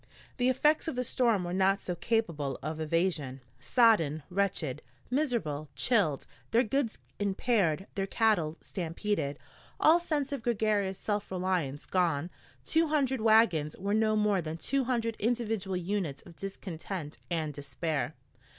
The effects of the storm were not so capable of evasion. Sodden, wretched, miserable, chilled, their goods impaired, their cattle stampeded, all sense of gregarious self reliance gone, two hundred wagons were no more than two hundred individual units of discontent and despair.